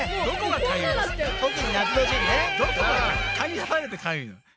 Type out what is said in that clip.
どこがかゆいの？